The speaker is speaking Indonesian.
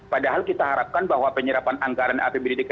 padahal kita harapkan bahwa penyerapan anggaran akan berjalan dengan lebih tinggi